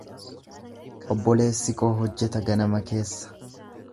Obboleessi koo hojjeta ganama keessa.